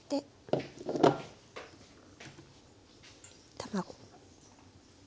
卵。